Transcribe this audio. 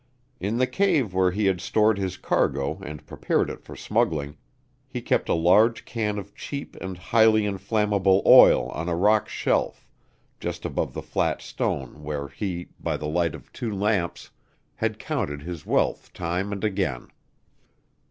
In the cave where he had stored his cargo and prepared it for smuggling, he kept a large can of cheap and highly inflammable oil on a rock shelf, just above the flat stone where he, by the light of two lamps, had counted his wealth time and again.